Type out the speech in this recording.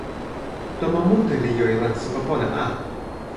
tomo mute li jo e len supa pona a.